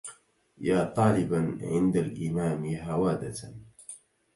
يا طالبا عند الإمام هوادة